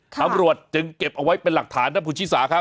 ธรรมรวชเจ็บเอาไว้เป็นหลักฐานครับพุชิศาครับ